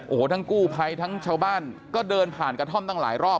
โอ้โหทั้งกู้ภัยทั้งชาวบ้านก็เดินผ่านกระท่อมตั้งหลายรอบ